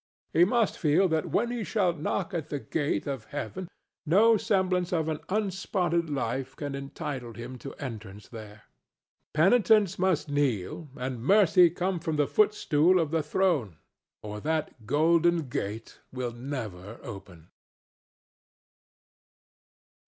He must feel that when he shall knock at the gate of heaven no semblance of an unspotted life can entitle him to entrance there. Penitence must kneel and Mercy come from the footstool of the throne, or that golden gate will never open.